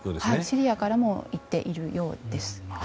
シリアからも行っているようです。